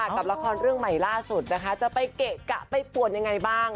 กับละครเรื่องใหม่ล่าสุดนะคะจะไปเกะกะไปป่วนยังไงบ้าง